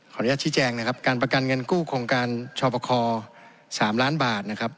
อนุญาตชี้แจงนะครับการประกันเงินกู้โครงการชอปค๓ล้านบาทนะครับ